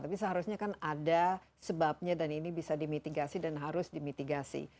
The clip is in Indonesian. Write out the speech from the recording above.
tapi seharusnya kan ada sebabnya dan ini bisa dimitigasi dan harus dimitigasi